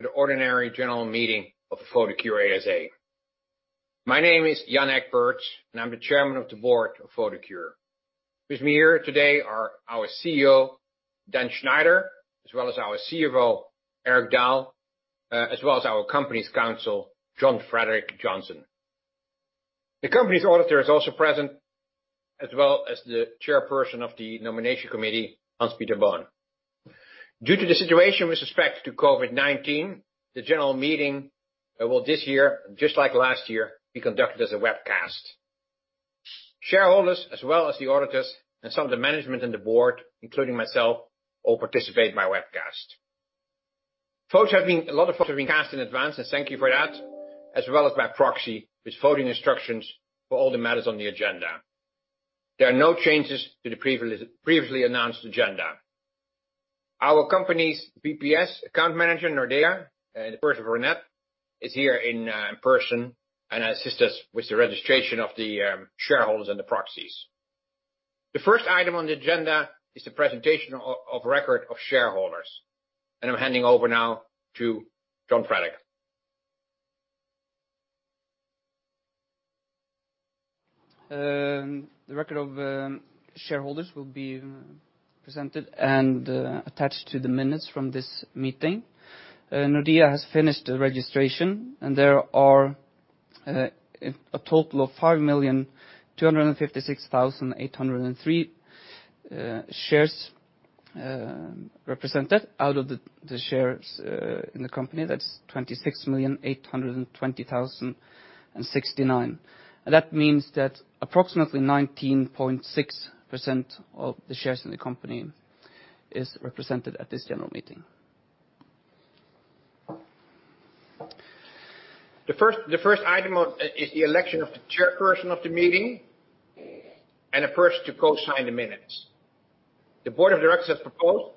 The ordinary general meeting of Photocure ASA. My name is Jan H. Egberts, and I'm the chairman of the board of Photocure. With me here today are our CEO, Dan Schneider, as well as our CFO, Erik Dahl, as well as our company's counsel, Jon Fredrik Johansen. The company's auditor is also present, as well as the chairperson of the nomination committee, Hans Peter Bøhn. Due to the situation with respect to COVID-19, the general meeting will this year, just like last year, be conducted as a webcast. Shareholders, as well as the auditors and some of the management on the board, including myself, all participate in my webcast. A lot of votes have been cast in advance, and thank you for that, as well as by proxy, with voting instructions for all the matters on the agenda. There are no changes to the previously announced agenda. Our company's VPS account manager, Nordea, and the person is Renate, is here in person and assists us with the registration of the shareholders and the proxies. The first item on the agenda is the presentation of record of shareholders, and I'm handing over now to Jon Fredrik. The record of shareholders will be presented and attached to the minutes from this meeting. Nordea has finished the registration, and there are a total of 5,256,803 shares represented out of the shares in the company. That's 26,820,069. That means that approximately 19.6% of the shares in the company are represented at this general meeting. The first item is the election of the chairperson of the meeting and a person to co-sign the minutes. The Board of Directors has proposed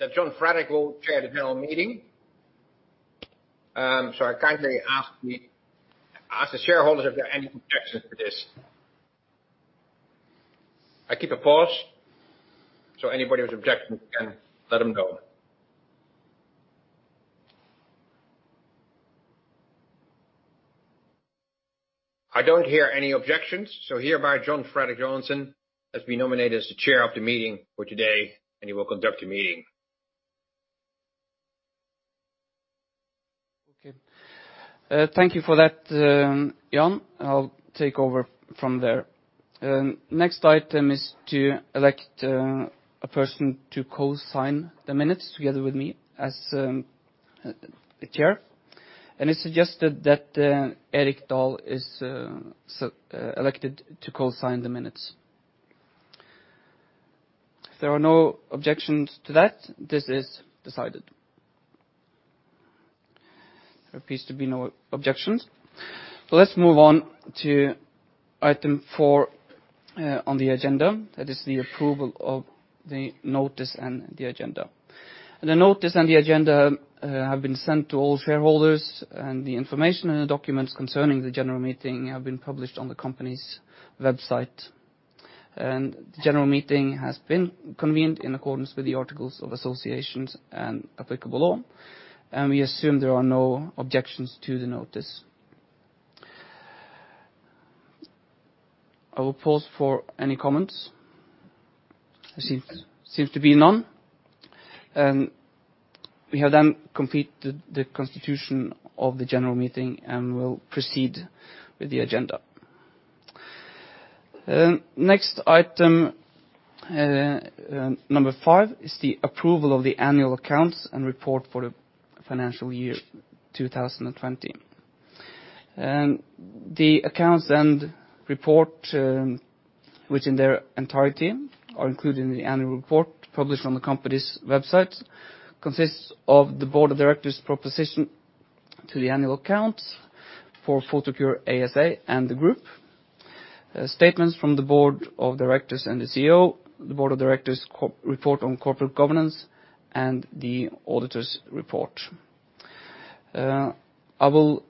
that Jon Fredrik Johansen will chair the general meeting. So I kindly ask the shareholders if there are any objections to this. I keep a pause so anybody with objections can let them know. I don't hear any objections, so hereby Jon Fredrik Johansen has been nominated as the chair of the meeting for today, and he will conduct the meeting. Okay. Thank you for that, Jan. I'll take over from there. Next item is to elect a person to co-sign the minutes together with me as the chair, and it's suggested that Erik Dahl is elected to co-sign the minutes. If there are no objections to that, this is decided. There appears to be no objections. Let's move on to item four on the agenda. That is the approval of the notice and the agenda. The notice and the agenda have been sent to all shareholders, and the information and the documents concerning the general meeting have been published on the company's website, and the general meeting has been convened in accordance with the articles of association and applicable law, and we assume there are no objections to the notice. I will pause for any comments. There seems to be none. We have then completed the constitution of the general meeting and will proceed with the agenda. Next item, number five, is the approval of the annual accounts and report for the financial year 2020. The accounts and report, which in their entirety are included in the annual report published on the company's website, consists of the Board of Directors' proposition to the annual accounts for Photocure ASA and the group, statements from the Board of Directors and the CEO, the Board of Directors' report on corporate governance, and the auditor's report. I will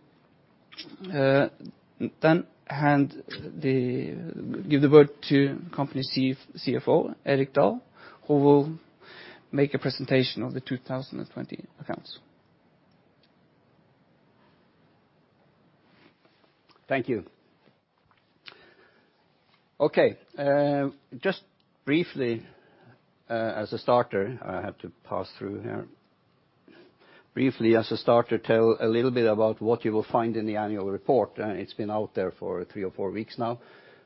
then give the word to company CFO, Erik Dahl, who will make a presentation of the 2020 accounts. Thank you. Okay. Just briefly, as a starter, I have to pass through here. Briefly, as a starter, tell a little bit about what you will find in the annual report. It's been out there for three or four weeks now,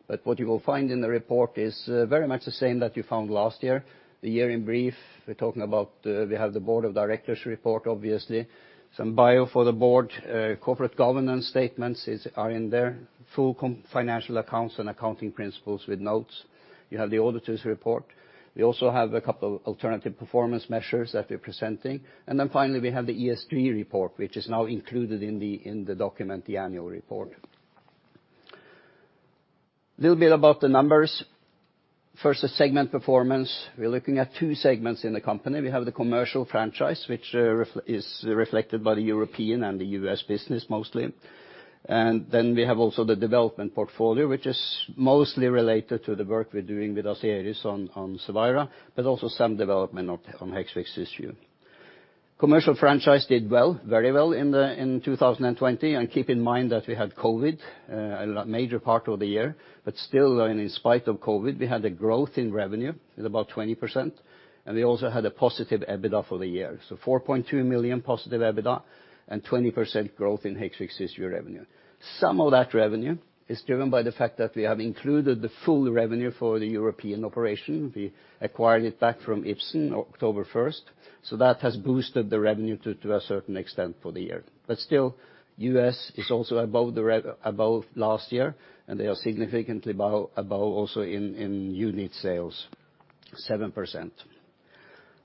but what you will find in the report is very much the same that you found last year. The year in brief, we're talking about we have the Board of Directors' report, obviously, some bio for the board, corporate governance statements are in there, full financial accounts and accounting principles with notes. You have the auditor's report. We also have a couple of alternative performance measures that we're presenting. And then finally, we have the ESG report, which is now included in the document, the annual report. A little bit about the numbers. First, the segment performance. We're looking at two segments in the company. We have the commercial franchise, which is reflected by the European and the U.S. business mostly. And then we have also the development portfolio, which is mostly related to the work we're doing with Asieris on Cevira, but also some development on Hexvix, Cysview. Commercial franchise did well, very well in 2020. And keep in mind that we had COVID, a major part of the year, but still, and in spite of COVID, we had a growth in revenue of about 20%, and we also had a positive EBITDA for the year. So 4.2 million positive EBITDA and 20% growth in Hexvix, Cysview revenue. Some of that revenue is driven by the fact that we have included the full revenue for the European operation. We acquired it back from Ipsen October 1st, so that has boosted the revenue to a certain extent for the year. But still, the U.S. is also above last year, and they are significantly above also in unit sales, 7%.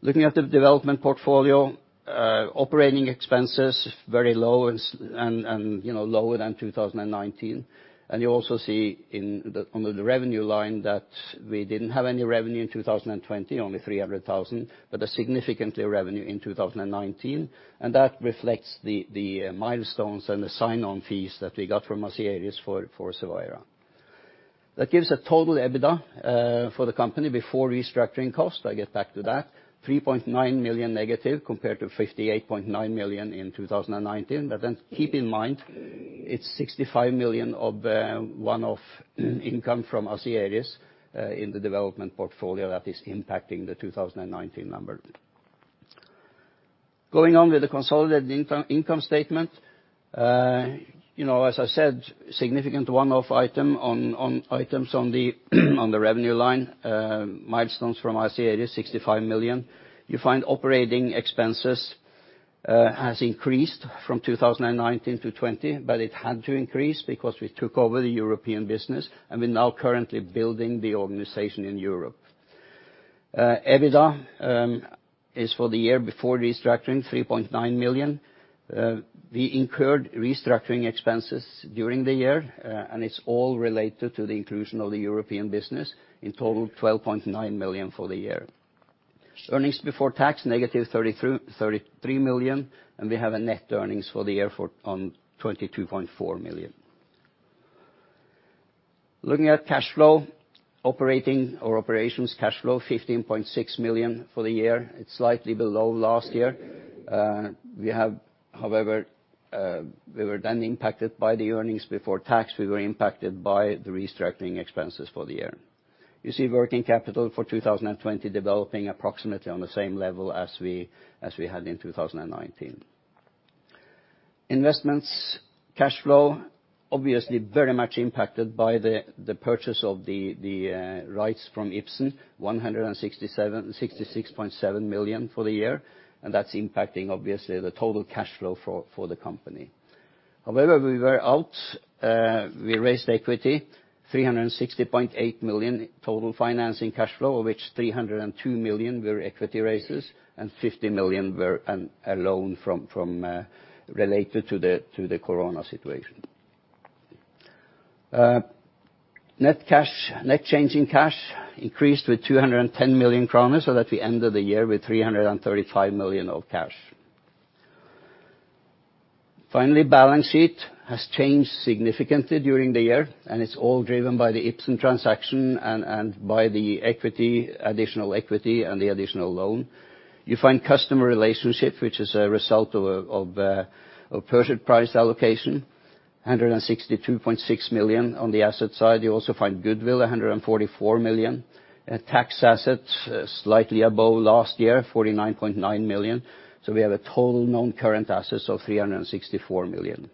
Looking at the development portfolio, operating expenses very low and lower than 2019. And you also see on the revenue line that we didn't have any revenue in 2020, only 300,000, but a significant revenue in 2019, and that reflects the milestones and the sign-on fees that we got from Asieris for Cevira. That gives a total EBITDA for the company before restructuring cost. I get back to that. -3.9 million compared to 58.9 million in 2019. But then keep in mind, it's 65 million of one-off income from Asieris in the development portfolio that is impacting the 2019 number. Going on with the consolidated income statement, as I said, significant one-off item on items on the revenue line, milestones from Asieris 65 million. You find operating expenses has increased from 2019 to 2020, but it had to increase because we took over the European business, and we're now currently building the organization in Europe. EBITDA is for the year before restructuring 3.9 million. We incurred restructuring expenses during the year, and it's all related to the inclusion of the European business, in total 12.9 million for the year. Earnings before tax -33 million, and we have a net earnings for the year on 22.4 million. Looking at cash flow, operating or operations cash flow 15.6 million for the year. It's slightly below last year. We have, however, we were then impacted by the earnings before tax. We were impacted by the restructuring expenses for the year. You see working capital for 2020 developing approximately on the same level as we had in 2019. Investing cash flow, obviously very much impacted by the purchase of the rights from Ipsen, 166.7 million for the year, and that's impacting obviously the total cash flow for the company. However, we were able to raise equity 360.8 million total financing cash flow, of which 302 million were equity raises and 50 million were a loan related to the corona situation. Net change in cash increased with 210 million kroner, so that we ended the year with 335 million of cash. Finally, balance sheet has changed significantly during the year, and it's all driven by the Ipsen transaction and by the additional equity and the additional loan. You find customer relationship, which is a result of purchase price allocation, 162.6 million on the asset side. You also find goodwill, 144 million. Tax assets slightly above last year, 49.9 million. So we have a total non-current assets of 364 million.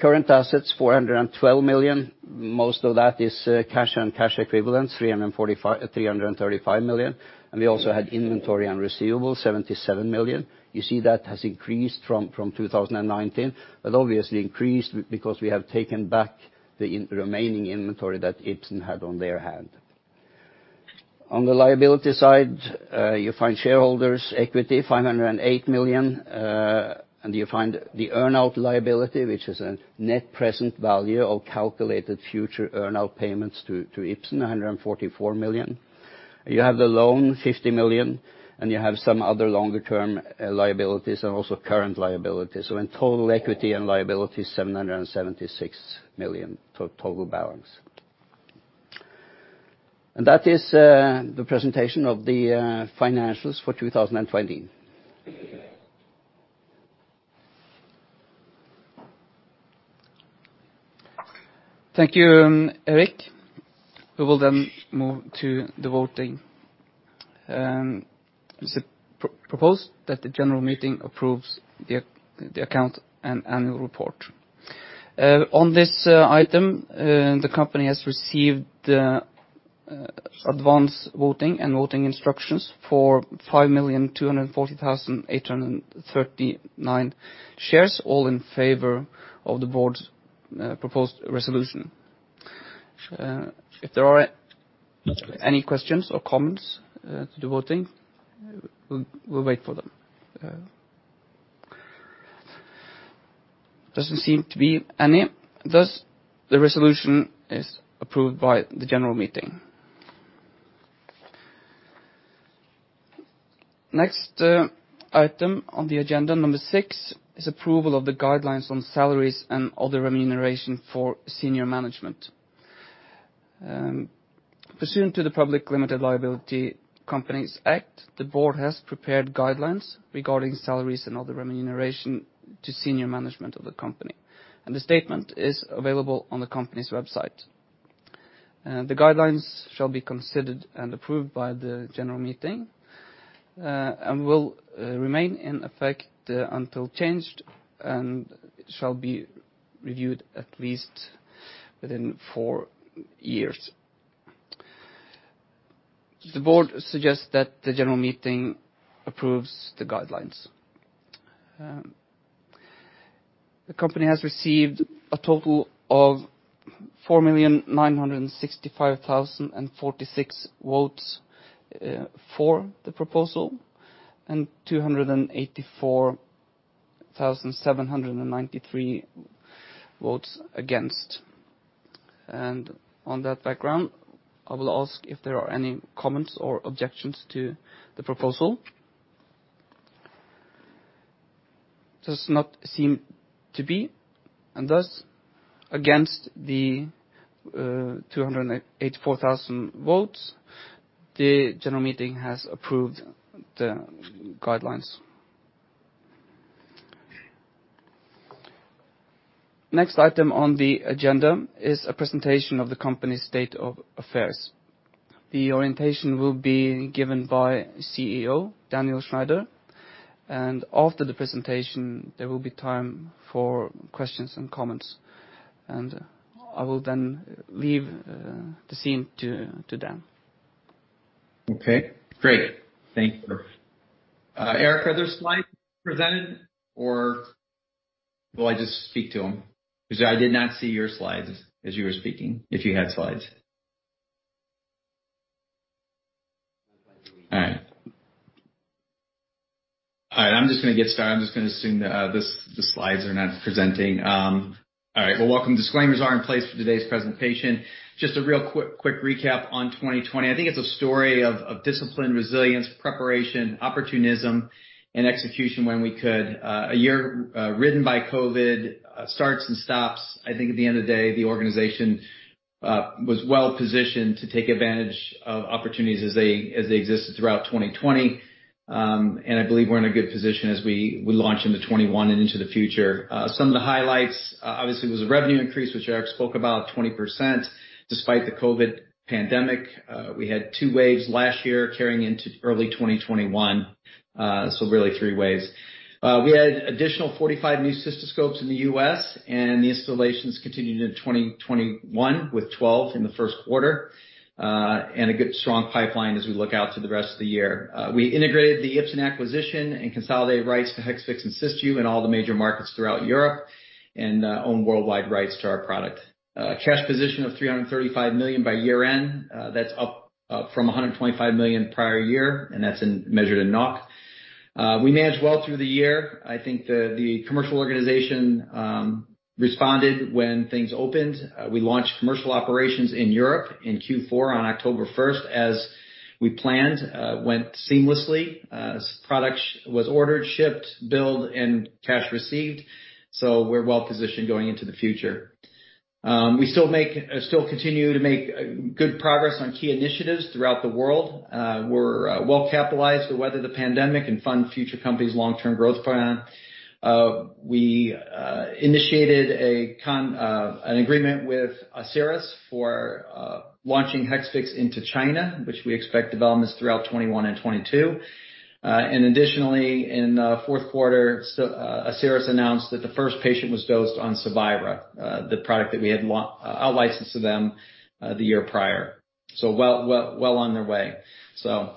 Current assets 412 million. Most of that is cash and cash equivalents, 335 million. And we also had inventory and receivables, 77 million. You see that has increased from 2019, but obviously increased because we have taken back the remaining inventory that Ipsen had on their hand. On the liability side, you find shareholders equity 508 million, and you find the earn-out liability, which is a net present value of calculated future earn-out payments to Ipsen, 144 million. You have the loan 50 million, and you have some other longer-term liabilities and also current liabilities. So in total equity and liabilities, 776 million total balance. And that is the presentation of the financials for 2020. Thank you, Erik. We will then move to the voting. It is proposed that the general meeting approves the account and annual report. On this item, the company has received advance voting and voting instructions for 5,240,839 shares, all in favor of the board's proposed resolution. If there are any questions or comments to the voting, we'll wait for them. Doesn't seem to be any. The resolution is approved by the general meeting. Next item on the agenda, number six, is approval of the guidelines on salaries and other remuneration for senior management. Pursuant to the Public Limited Liability Companies Act, the board has prepared guidelines regarding salaries and other remuneration to senior management of the company, and the statement is available on the company's website. The guidelines shall be considered and approved by the general meeting and will remain in effect until changed and shall be reviewed at least within four years. The board suggests that the general meeting approves the guidelines. The company has received a total of 4,965,046 votes for the proposal and 284,793 votes against, and on that background, I will ask if there are any comments or objections to the proposal. Does not seem to be. And thus, against the 284,000 votes, the general meeting has approved the guidelines. Next item on the agenda is a presentation of the company's state of affairs. The orientation will be given by CEO Daniel Schneider, and after the presentation, there will be time for questions and comments, and I will then leave the scene to Dan. Okay. Great. Thank you. Erik, are there slides presented, or will I just speak to them? Because I did not see your slides as you were speaking, if you had slides. All right. All right. I'm just going to get started. I'm just going to assume that the slides are not presenting. All right. Well, welcome. Disclaimers are in place for today's presentation. Just a real quick recap on 2020. I think it's a story of discipline, resilience, preparation, opportunism, and execution when we could. A year riddled by COVID starts and stops. I think at the end of the day, the organization was well positioned to take advantage of opportunities as they existed throughout 2020. And I believe we're in a good position as we launch into 2021 and into the future. Some of the highlights, obviously, was a revenue increase, which Erik spoke about, 20%. Despite the COVID pandemic, we had two waves last year carrying into early 2021, so really three waves. We had additional 45 new cystoscopes in the U.S., and the installations continued in 2021 with 12 in the first quarter, and a good strong pipeline as we look out to the rest of the year. We integrated the Ipsen acquisition and consolidated rights to Hexvix and Cysview in all the major markets throughout Europe and own worldwide rights to our product. Cash position of 335 million by year-end. That's up from 125 million prior year, and that's measured in NOK. We managed well through the year. I think the commercial organization responded when things opened. We launched commercial operations in Europe in Q4 on October 1st as we planned. Went seamlessly. Product was ordered, shipped, billed, and cash received, so we're well positioned going into the future. We still continue to make good progress on key initiatives throughout the world. We're well capitalized to weather the pandemic and fund future company's long-term growth plan. We initiated an agreement with Asieris for launching Hexvix into China, which we expect developments throughout 2021 and 2022. And additionally, in the fourth quarter, Asieris announced that the first patient was dosed on Cevira, the product that we had outlicensed to them the year prior. So well on their way. So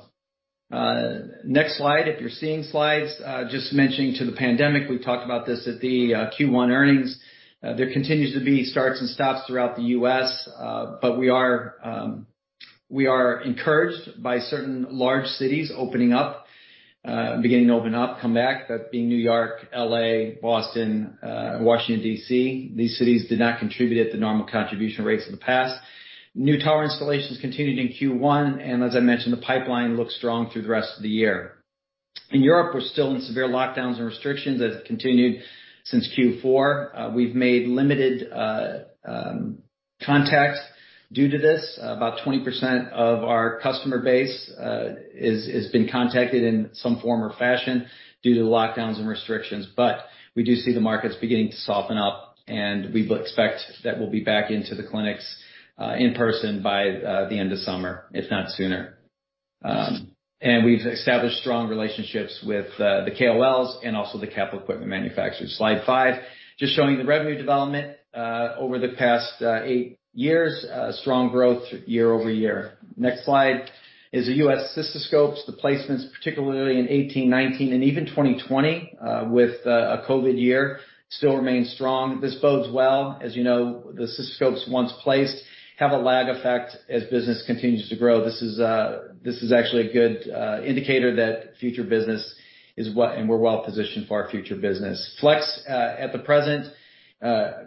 next slide. If you're seeing slides, just mentioning the pandemic, we talked about this at the Q1 earnings. There continues to be starts and stops throughout the U.S., but we are encouraged by certain large cities opening up, beginning to open up, come back, that being New York, L.A., Boston, Washington, D.C. These cities did not contribute at the normal contribution rates in the past. New tower installations continued in Q1, and as I mentioned, the pipeline looks strong through the rest of the year. In Europe, we're still in severe lockdowns and restrictions that have continued since Q4. We've made limited contact due to this. About 20% of our customer base has been contacted in some form or fashion due to the lockdowns and restrictions, but we do see the markets beginning to soften up, and we expect that we'll be back into the clinics in person by the end of summer, if not sooner, and we've established strong relationships with the KOLs and also the capital equipment manufacturers. Slide five, just showing the revenue development over the past eight years, strong growth year-over-year. Next slide is the U.S. cystoscopes. The placements, particularly in 2018, 2019, and even 2020 with a COVID year, still remain strong. This bodes well. As you know, the cystoscopes once placed have a lag effect as business continues to grow. This is actually a good indicator that future business is and we're well positioned for our future business. Flex at the present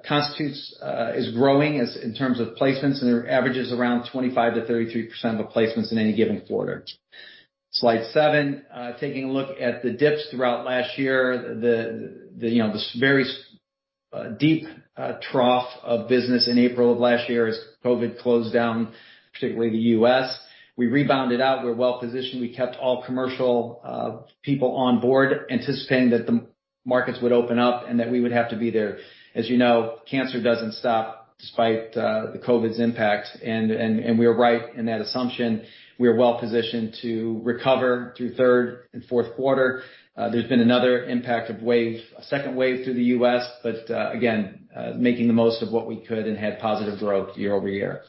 constitutes is growing in terms of placements, and it averages around 25%-33% of placements in any given quarter. Slide seven, taking a look at the dips throughout last year, the very deep trough of business in April of last year as COVID closed down, particularly the U.S. We rebounded out. We're well positioned. We kept all commercial people on board, anticipating that the markets would open up and that we would have to be there. As you know, cancer doesn't stop despite the COVID's impact, and we're right in that assumption. We're well positioned to recover through third and fourth quarter. There's been another impact of a second wave through the US, but again, making the most of what we could and had positive growth year-over-year.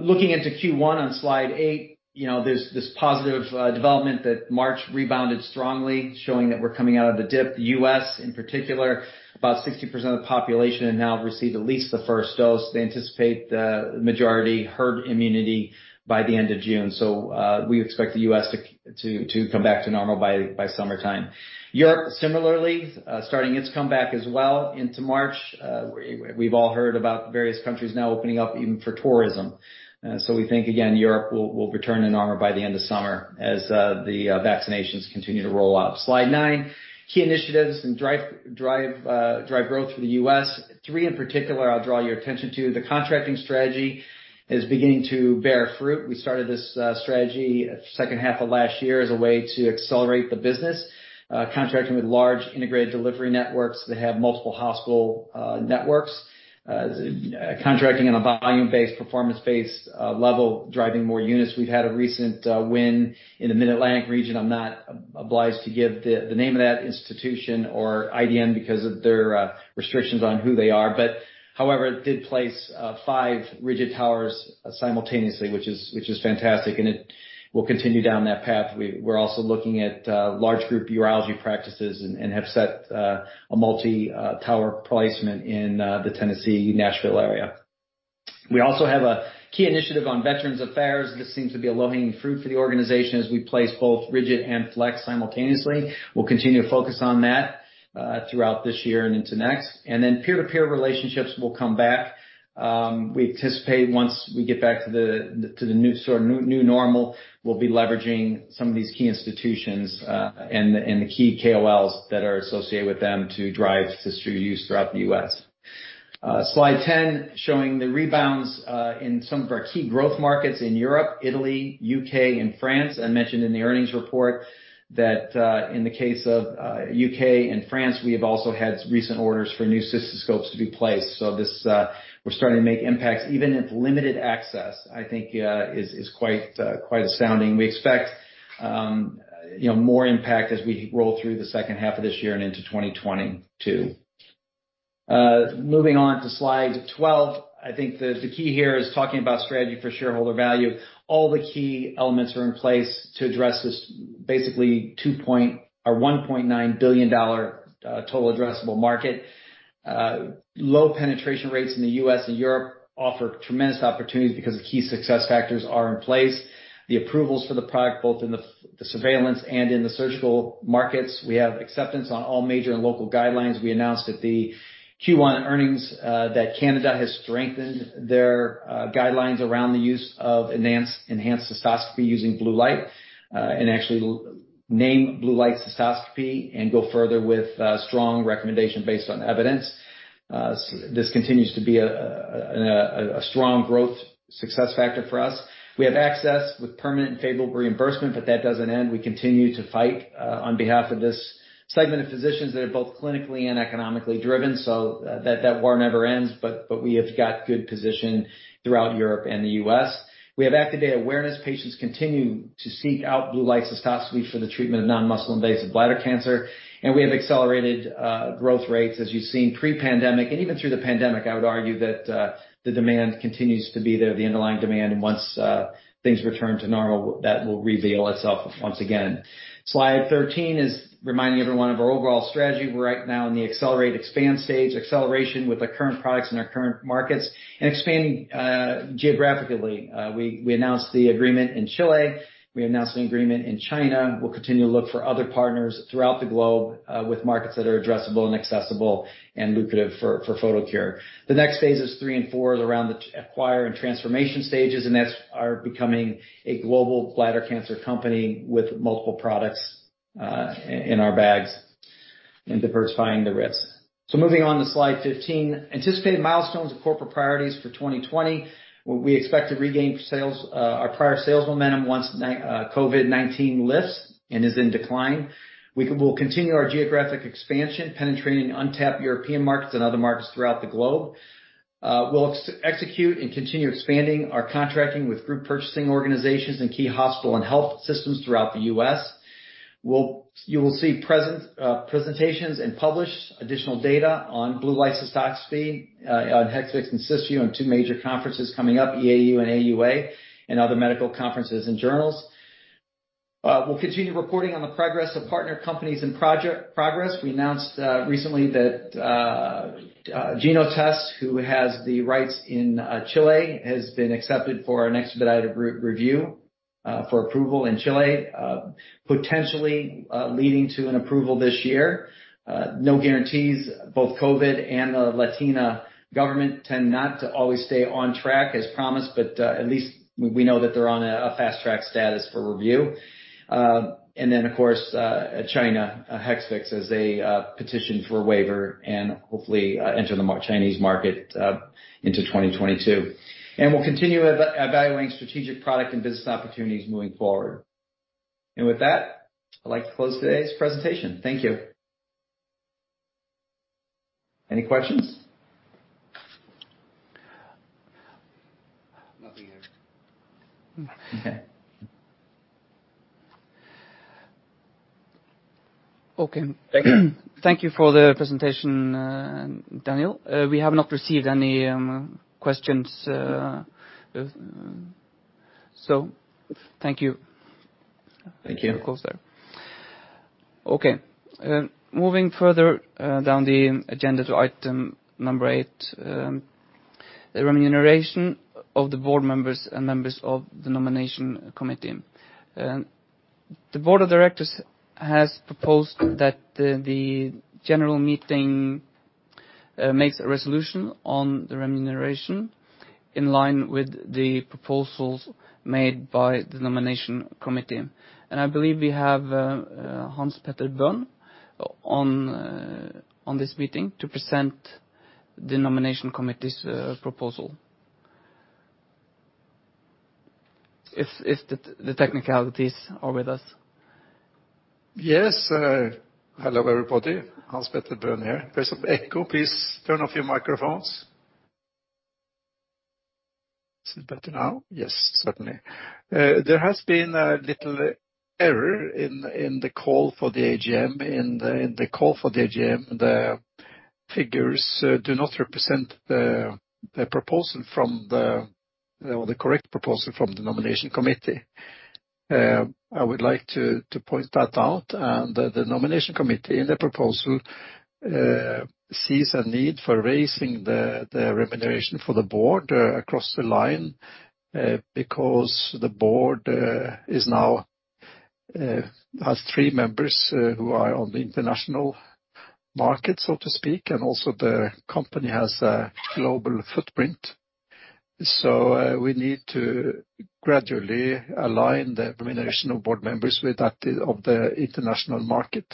Looking into Q1 on slide eight, there's this positive development that March rebounded strongly, showing that we're coming out of the dip. The U.S., in particular, about 60% of the population have now received at least the first dose. They anticipate the majority herd immunity by the end of June. So we expect the U.S. to come back to normal by summertime. Europe, similarly, starting its comeback as well into March. We've all heard about various countries now opening up even for tourism. So we think, again, Europe will return to normal by the end of summer as the vaccinations continue to roll out. Slide nine, key initiatives and drive growth for the U.S. Three in particular I'll draw your attention to. The contracting strategy is beginning to bear fruit. We started this strategy second half of last year as a way to accelerate the business, contracting with large integrated delivery networks that have multiple hospital networks, contracting on a volume-based, performance-based level, driving more units. We've had a recent win in the Mid-Atlantic region. I'm not obliged to give the name of that institution or IDN because of their restrictions on who they are. But however, it did place five rigid towers simultaneously, which is fantastic, and it will continue down that path. We're also looking at large group urology practices and have set a multi-tower placement in the Tennessee/Nashville area. We also have a key initiative on Veterans Affairs. This seems to be a low-hanging fruit for the organization as we place both rigid and flex simultaneously. We'll continue to focus on that throughout this year and into next. And then peer-to-peer relationships will come back. We anticipate once we get back to the sort of new normal, we will be leveraging some of these key institutions and the key KOLs that are associated with them to drive cysto use throughout the U.S. Slide 10, showing the rebounds in some of our key growth markets in Europe, Italy, U.K., and France. I mentioned in the earnings report that in the case of U.K. and France, we have also had recent orders for new cystoscopes to be placed. So we are starting to make impacts, even if limited access, I think is quite astounding. We expect more impact as we roll through the second half of this year and into 2022. Moving on to slide 12, I think the key here is talking about strategy for shareholder value. All the key elements are in place to address this basically $1.9 billion total addressable market. Low penetration rates in the U.S. and Europe offer tremendous opportunities because the key success factors are in place. The approvals for the product, both in the surveillance and in the surgical markets. We have acceptance on all major and local guidelines. We announced at the Q1 earnings that Canada has strengthened their guidelines around the use of enhanced cystoscopy using blue light and actually name blue light cystoscopy and go further with strong recommendation based on evidence. This continues to be a strong growth success factor for us. We have access with permanent and favorable reimbursement, but that doesn't end. We continue to fight on behalf of this segment of physicians that are both clinically and economically driven. So that war never ends, but we have got good position throughout Europe and the U.S. We have active data awareness. Patients continue to seek out Blue Light Cystoscopy for the treatment of non-muscle invasive bladder cancer. And we have accelerated growth rates as you've seen pre-pandemic and even through the pandemic. I would argue that the demand continues to be there, the underlying demand. And once things return to normal, that will reveal itself once again. Slide 13 is reminding everyone of our overall strategy. We're right now in the accelerate-expand stage, acceleration with our current products and our current markets and expanding geographically. We announced the agreement in Chile. We announced the agreement in China. We'll continue to look for other partners throughout the globe with markets that are addressable and accessible and lucrative for Photocure. The next phases, three and four, is around the acquire and transformation stages, and that's our becoming a global bladder cancer company with multiple products in our bags and diversifying the risks. So moving on to slide 15, anticipated milestones of corporate priorities for 2020. We expect to regain our prior sales momentum once COVID-19 lifts and is in decline. We will continue our geographic expansion, penetrating untapped European markets and other markets throughout the globe. We'll execute and continue expanding our contracting with group purchasing organizations and key hospital and health systems throughout the U.S. You will see presentations and publish additional data on Blue Light Cystoscopy on Hexvix and Cysview on two major conferences coming up, EAU and AUA, and other medical conferences and journals. We'll continue reporting on the progress of partner companies and progress. We announced recently that GenoTest, who has the rights in Chile, has been accepted for an expedited review for approval in Chile, potentially leading to an approval this year. No guarantees. Both COVID and the Latin American government tend not to always stay on track as promised, but at least we know that they're on a fast-track status for review. And then, of course, China, Hexvix, as they petition for a waiver and hopefully enter the Chinese market in 2022. And we'll continue evaluating strategic product and business opportunities moving forward. And with that, I'd like to close today's presentation. Thank you. Any questions? Nothing here. Okay. Okay. Thank you for the presentation, Daniel. We have not received any questions. So thank you. Thank you. Of course, sir. Okay. Moving further down the agenda to item number eight, the remuneration of the board members and members of the nomination committee. The Board of Directors has proposed that the general meeting makes a resolution on the remuneration in line with the proposals made by the nomination committee, and I believe we have Hans Peter Bøhn on this meeting to present the nomination committee's proposal if the technicalities are with us. Yes. Hello everybody. Hans-Peter Bøhn here. There's some echo. Please turn off your microphones. Is it better now? Yes, certainly. There has been a little error in the call for the AGM. In the call for the AGM, the figures do not represent the proposal from the correct proposal from the nomination committee. I would like to point that out, and the nomination committee in the proposal sees a need for raising the remuneration for the board across the line because the board has three members who are on the international market, so to speak, and also the company has a global footprint, so we need to gradually align the remuneration of board members with that of the international market.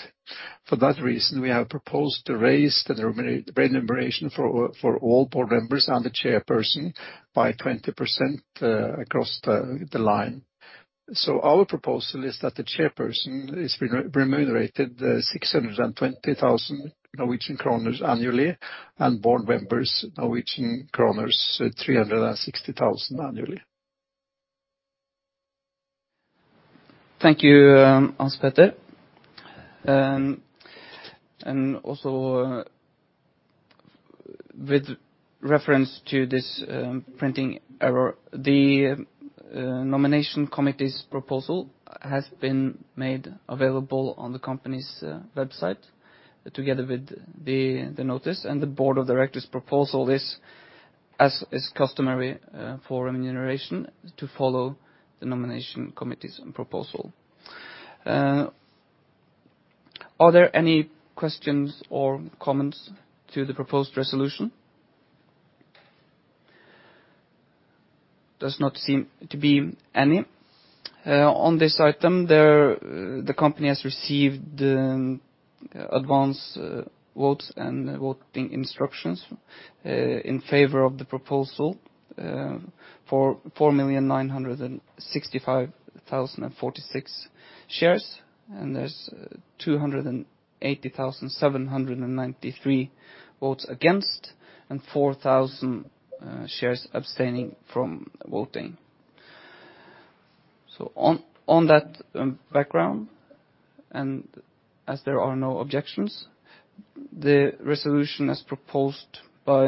For that reason, we have proposed to raise the remuneration for all board members and the chairperson by 20% across the line. Our proposal is that the chairperson is remunerated 620,000 Norwegian kroner annually and board members Norwegian kroner 360,000 annually. Thank you, Hans Peter Bøhn. And also with reference to this printing error, the nomination committee's proposal has been made available on the company's website together with the notice. And the Board of Directors' proposal is, as is customary for remuneration, to follow the nomination committee's proposal. Are there any questions or comments to the proposed resolution? Does not seem to be any. On this item, the company has received advance votes and voting instructions in favor of the proposal for 4,965,046 shares. And there's 280,793 votes against and 4,000 shares abstaining from voting. So on that background, and as there are no objections, the resolution as proposed by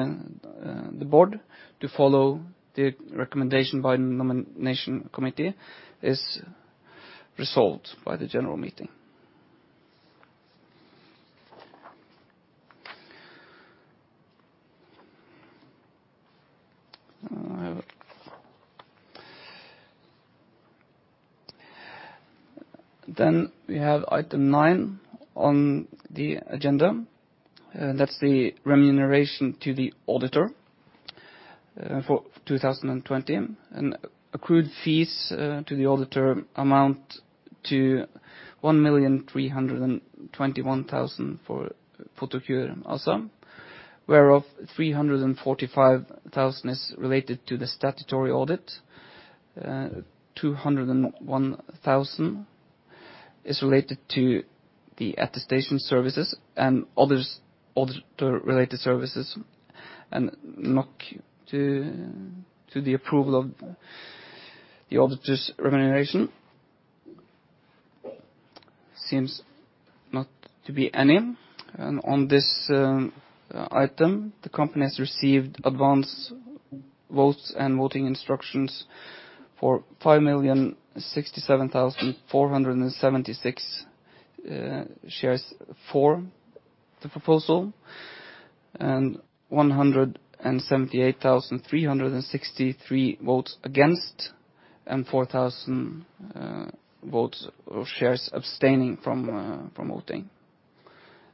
the board to follow the recommendation by the nomination committee is resolved by the general meeting. Then we have item nine on the agenda. That's the remuneration to the auditor for 2020 and accrued fees to the auditor amount to 1,321,000 for Photocure ASA, whereof 345,000 is related to the statutory audit, 201,000 is related to the attestation services and other auditor-related services, and not to the approval of the auditor's remuneration. Seems not to be any. And on this item, the company has received advance votes and voting instructions for 5,067,476 shares for the proposal and 178,363 votes against and 4,000 votes or shares abstaining from voting.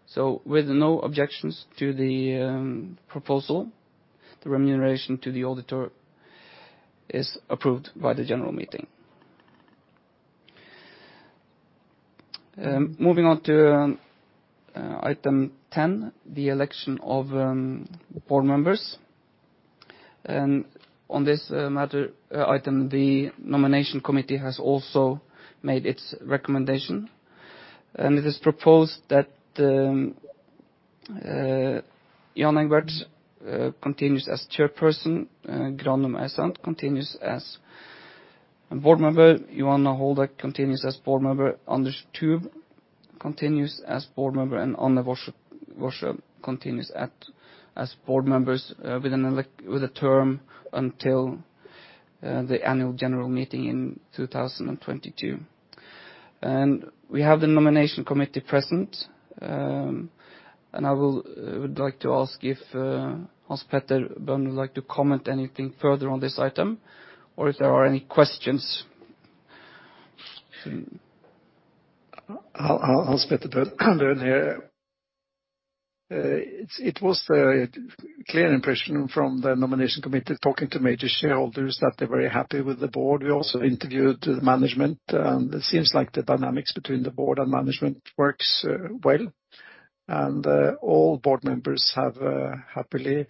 So with no objections to the proposal, the remuneration to the auditor is approved by the general meeting. Moving on to item 10, the election of board members. And on this item, the nomination committee has also made its recommendation. It is proposed that Jan H. Egberts continues as chairperson, Grannum R. Sant continues as board member, Johanna Holldack continues as board member, Anders Tuv continues as board member, and Anne Whitaker continues as board member with a term until the annual general meeting in 2022. We have the nomination committee present. I would like to ask if Hans Peter Bøhn would like to comment anything further on this item or if there are any questions. Peter Bøhn here. It was a clear impression from the nomination committee talking to major shareholders that they're very happy with the board. We also interviewed the management, and it seems like the dynamics between the board and management works well, and all board members have happily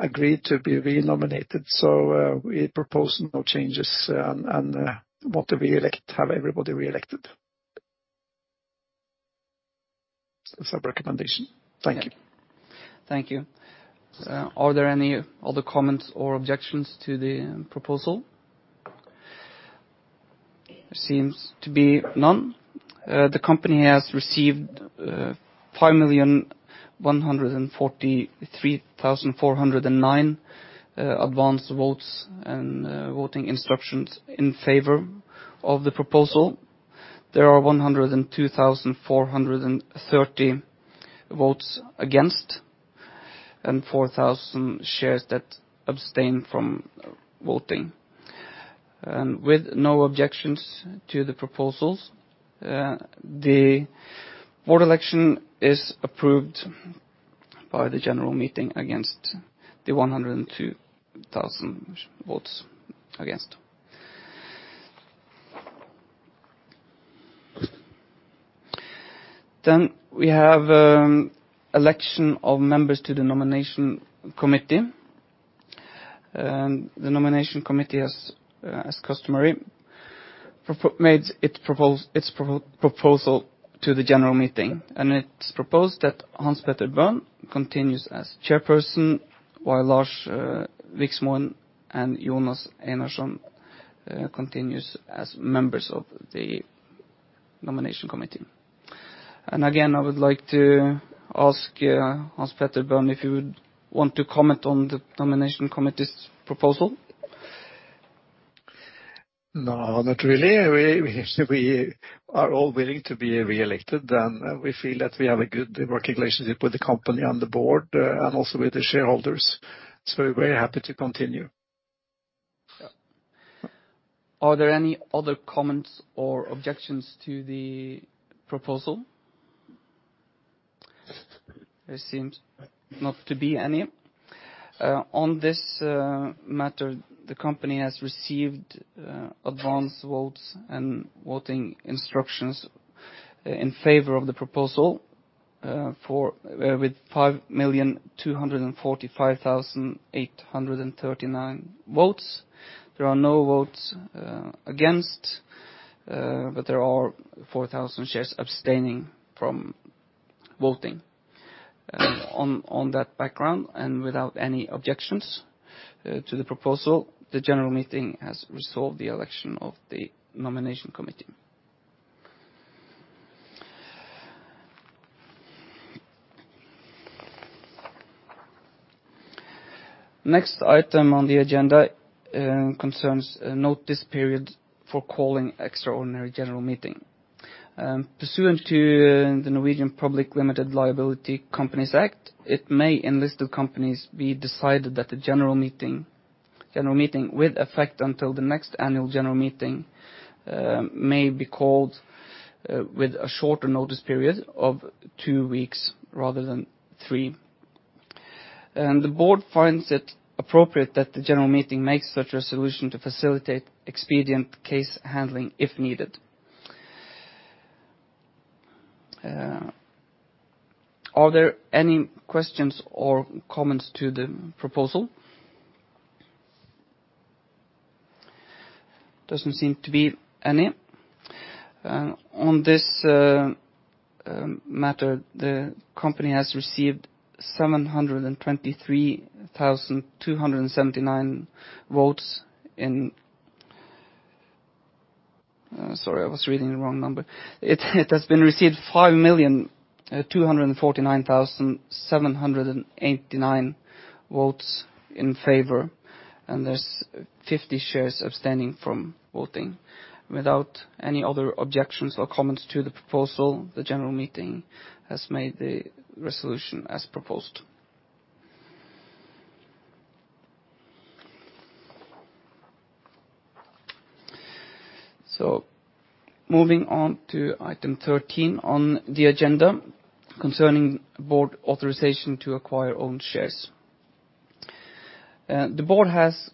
agreed to be re-nominated, so we propose no changes and want to have everybody re-elected. That's our recommendation. Thank you. Thank you. Are there any other comments or objections to the proposal? Seems to be none. The company has received 5,143,409 advance votes and voting instructions in favor of the proposal. There are 102,430 votes against and 4,000 shares that abstain from voting. And with no objections to the proposals, the board election is approved by the general meeting against the 102,000 votes against. Then we have election of members to the nomination committee. And the nomination committee has customarily made its proposal to the general meeting. And it's proposed that Hans Peter Bøhn continues as chairperson while Lars Viksmoen and Jonas Einarsson continues as members of the nomination committee. And again, I would like to ask Hans Peter Bøhn if you would want to comment on the nomination committee's proposal. No, not really. We are all willing to be re-elected. And we feel that we have a good working relationship with the company and the board and also with the shareholders. So we're very happy to continue. Are there any other comments or objections to the proposal? There seems not to be any. On this matter, the company has received advance votes and voting instructions in favor of the proposal with 5,245,839 votes. There are no votes against, but there are 4,000 shares abstaining from voting. On that background and without any objections to the proposal, the general meeting has resolved the election of the nomination committee. Next item on the agenda concerns notice period for calling extraordinary general meeting. Pursuant to the Norwegian Public Limited Liability Companies Act, it may for listed companies be decided that the general meeting with effect until the next annual general meeting may be called with a shorter notice period of two weeks rather than three, and the board finds it appropriate that the general meeting makes such a resolution to facilitate expedient case handling if needed. Are there any questions or comments to the proposal? Doesn't seem to be any. On this matter, the company has received 723,279 votes in sorry, I was reading the wrong number. It has been received 5,249,789 votes in favor. And there's 50 shares abstaining from voting. Without any other objections or comments to the proposal, the general meeting has made the resolution as proposed. So moving on to item 13 on the agenda concerning board authorization to acquire own shares. The board has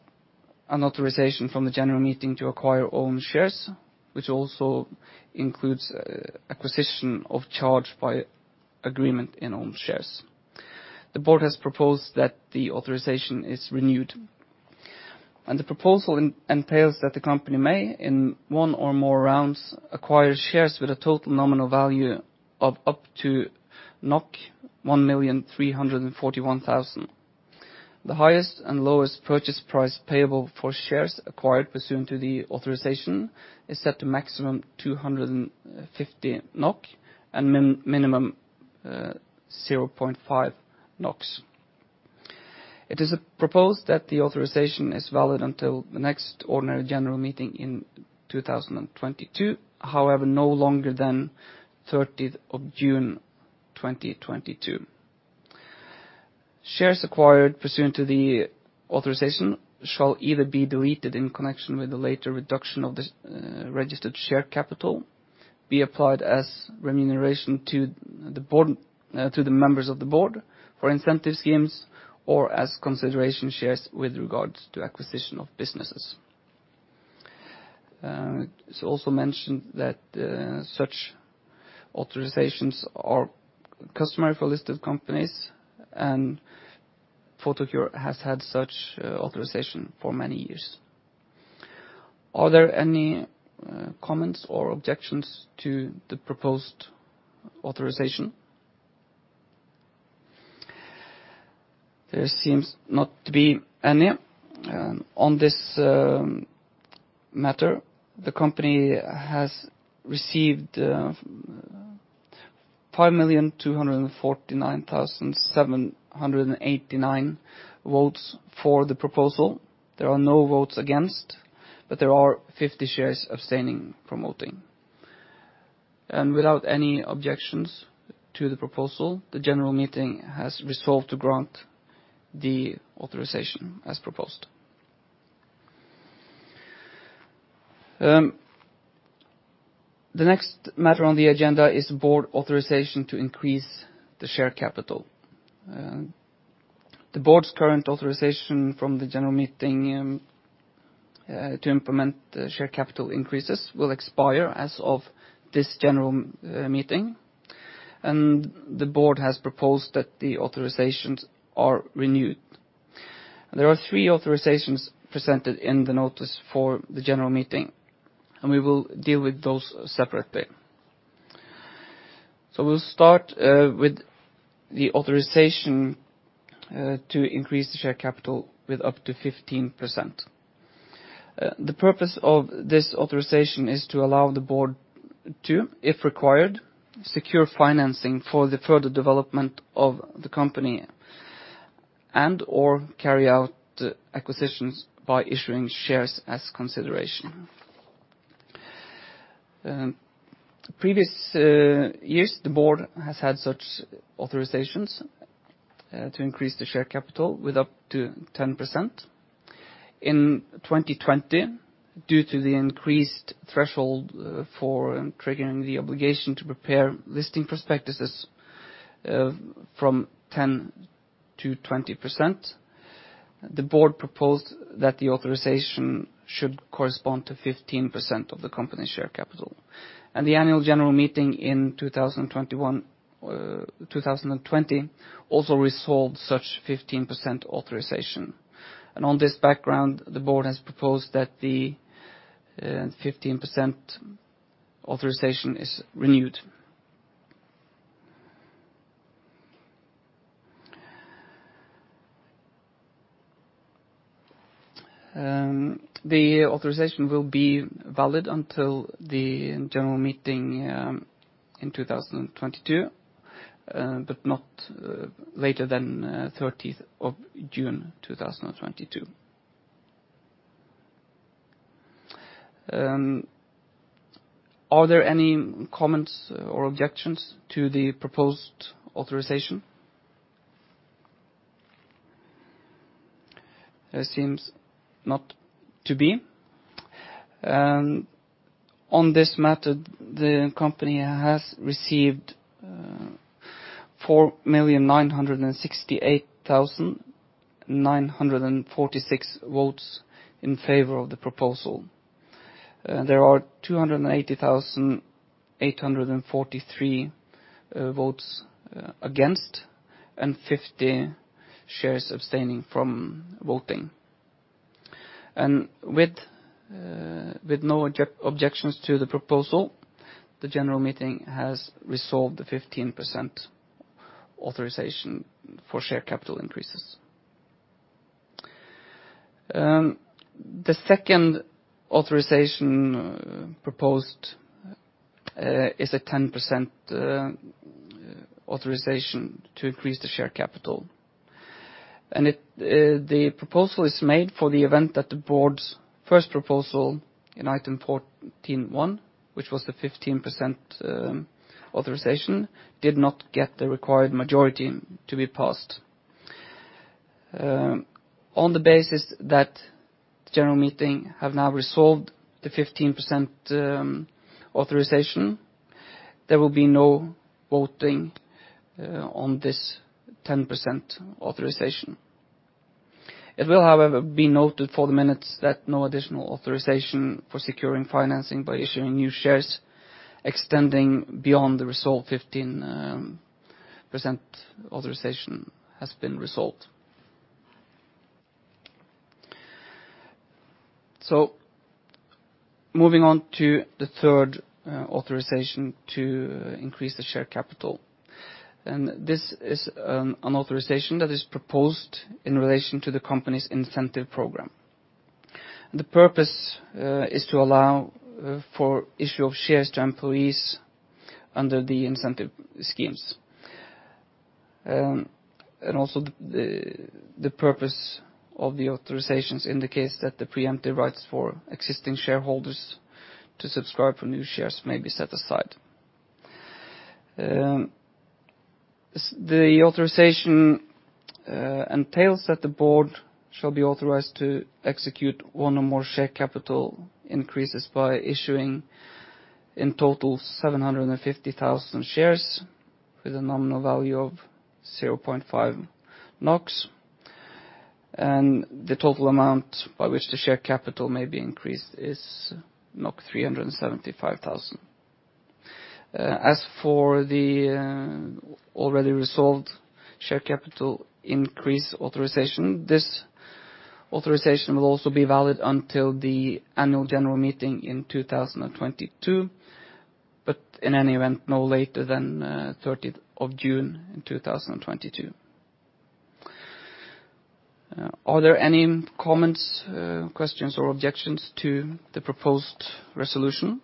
an authorization from the general meeting to acquire own shares, which also includes acquisition of charge by agreement in own shares. The board has proposed that the authorization is renewed. And the proposal entails that the company may, in one or more rounds, acquire shares with a total nominal value of up to 1,341,000. The highest and lowest purchase price payable for shares acquired pursuant to the authorization is set to maximum 250 NOK and minimum 0.5 NOK. It is proposed that the authorization is valid until the next ordinary general meeting in 2022, however, no longer than 30 June 2022. Shares acquired pursuant to the authorization shall either be deleted in connection with the later reduction of the registered share capital, be applied as remuneration to the members of the board for incentive schemes, or as consideration shares with regards to acquisition of businesses. It's also mentioned that such authorizations are customary for listed companies, and Photocure has had such authorization for many years. Are there any comments or objections to the proposed authorization? There seems not to be any. On this matter, the company has received 5,249,789 votes for the proposal. There are no votes against, but there are 50 shares abstaining from voting, and without any objections to the proposal, the general meeting has resolved to grant the authorization as proposed. The next matter on the agenda is board authorization to increase the share capital. The board's current authorization from the general meeting to implement share capital increases will expire as of this general meeting, and the board has proposed that the authorizations are renewed. There are three authorizations presented in the notice for the general meeting, and we will deal with those separately, so we'll start with the authorization to increase the share capital with up to 15%. The purpose of this authorization is to allow the board to, if required, secure financing for the further development of the company and/or carry out acquisitions by issuing shares as consideration. Previous years, the board has had such authorizations to increase the share capital with up to 10%. In 2020, due to the increased threshold for triggering the obligation to prepare listing prospectuses from 10 to 20%, the board proposed that the authorization should correspond to 15% of the company's share capital. And the annual general meeting in 2020 also resolved such 15% authorization. And on this background, the board has proposed that the 15% authorization is renewed. The authorization will be valid until the general meeting in 2022, but not later than 30 June 2022. Are there any comments or objections to the proposed authorization? There seems not to be. On this matter, the company has received 4,968,946 votes in favor of the proposal. There are 280,843 votes against and 50 shares abstaining from voting. With no objections to the proposal, the general meeting has resolved the 15% authorization for share capital increases. The second authorization proposed is a 10% authorization to increase the share capital. The proposal is made for the event that the board's first proposal in item 14.1, which was the 15% authorization, did not get the required majority to be passed. On the basis that the general meeting has now resolved the 15% authorization, there will be no voting on this 10% authorization. It will, however, be noted for the minutes that no additional authorization for securing financing by issuing new shares extending beyond the resolved 15% authorization has been resolved. Moving on to the third authorization to increase the share capital. This is an authorization that is proposed in relation to the company's incentive program. The purpose is to allow for issue of shares to employees under the incentive schemes. Also the purpose of the authorization is in the case that the preemptive rights for existing shareholders to subscribe for new shares may be set aside. The authorization entails that the board shall be authorized to execute one or more share capital increases by issuing in total 750,000 shares with a nominal value of 0.5 NOK. The total amount by which the share capital may be increased is 375,000. As for the already resolved share capital increase authorization, this authorization will also be valid until the annual general meeting in 2022, but in any event, no later than 30 June 2022. Are there any comments, questions, or objections to the proposed resolution?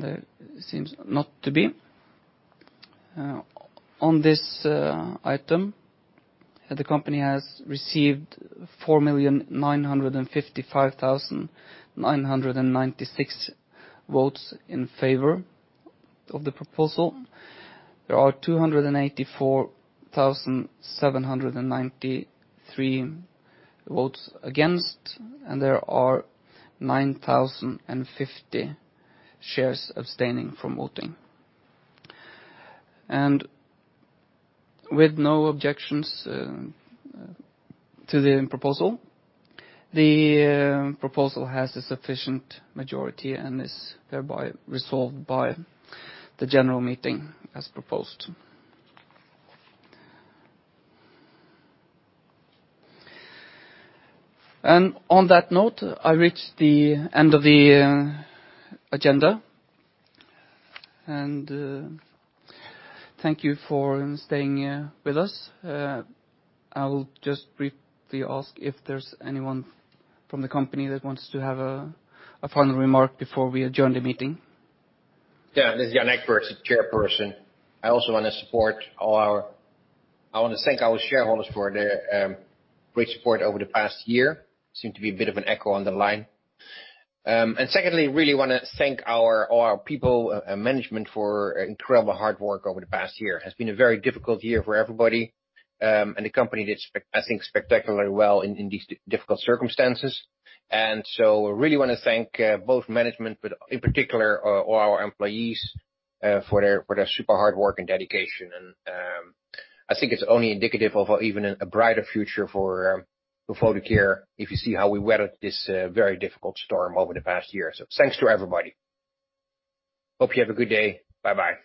There seems not to be. On this item, the company has received 4,955,996 votes in favor of the proposal. There are 284,793 votes against, and there are 9,050 shares abstaining from voting. And with no objections to the proposal, the proposal has a sufficient majority and is thereby resolved by the general meeting as proposed. And on that note, I reached the end of the agenda. And thank you for staying with us. I will just briefly ask if there's anyone from the company that wants to have a final remark before we adjourn the meeting. Yeah, this is Jan H. Egberts, Chairperson. I want to thank our shareholders for their great support over the past year. There seemed to be a bit of an echo on the line, and secondly, really want to thank our people and management for incredible hard work over the past year. It has been a very difficult year for everybody, and the company did, I think, spectacularly well in these difficult circumstances, and so I really want to thank both management, but in particular, all our employees for their super hard work and dedication, and I think it's only indicative of even a brighter future for Photocure if you see how we weathered this very difficult storm over the past year, so thanks to everybody. Hope you have a good day. Bye-bye.